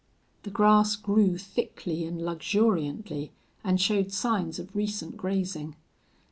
The grass grew thickly and luxuriantly and showed signs of recent grazing.